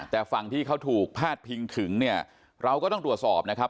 แต่ฝั่งที่เขาถูกพาดพิงถึงเนี่ยเราก็ต้องตรวจสอบนะครับ